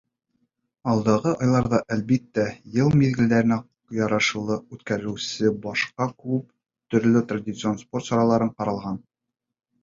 Алдағы айҙарҙа, әлбиттә, йыл миҙгелдәренә ярашлы үткәрелеүсе башҡа күп төрлө традицион спорт саралары ҡаралған.